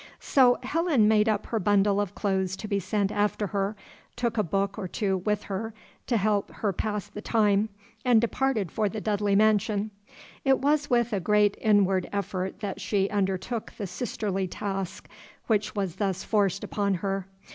So Helen made up her bundle of clothes to be sent after her, took a book or two with her to help her pass the time, and departed for the Dudley mansion. It was with a great inward effort that she undertook the sisterly task which was thus forced upon her.